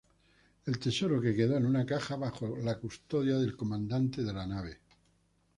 El tesoro quedó en una caja bajo la custodia del comandante de la nave.